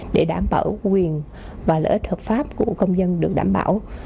để đảm bảo quyền và lợi ích hợp pháp của công dân được đảm bảo